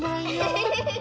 フフフフ。